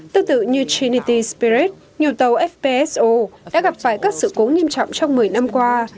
tương tự như trinity spirit nhiều tàu fpso đã gặp phải các sự cố nghiêm trọng trong một mươi năm qua